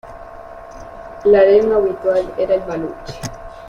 La lengua habitual era el baluchi.